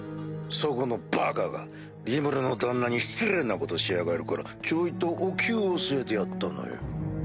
そこのバカがリムルの旦那に失礼なことしやがるからちょいとお灸を据えてやったのよ。